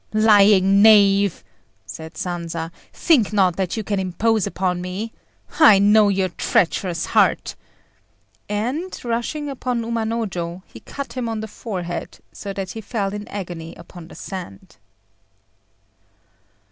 "Lying knave!" said Sanza; "think not that you can impose upon me. I know your treacherous heart;" and, rushing upon Umanojô, he cut him on the forehead so that he fell in agony upon the sand.